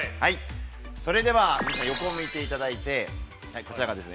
それでは横を向いていただいて、こちらですね。